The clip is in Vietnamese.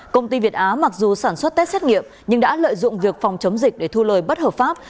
công ty việt á mặc dù sản xuất test xét nghiệm nhưng đã lợi dụng việc phòng chống dịch để thu lời bất hợp pháp